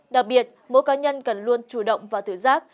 đặc biệt mỗi cá nhân cần luôn chủ động và tự giác